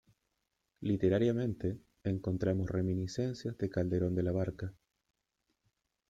Literariamente, encontramos reminiscencias de Calderón de la Barca.